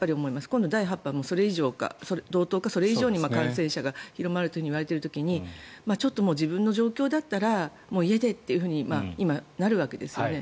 今度、第８波は同等かそれ以上に感染者が広まるといわれている時にちょっと自分の状況だったら家でというふうに今、なるわけですよね。